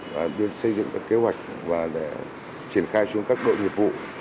và xây dựng các kế hoạch và triển khai xuống các đội nhiệm vụ